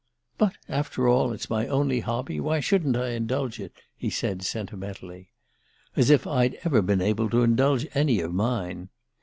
'But, after all, it's my only hobby why shouldn't I indulge it?' he said sentimentally. As if I'd ever been able to indulge any of mine!